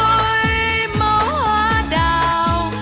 ôi máu hoa đào